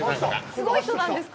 すごい人なんですか？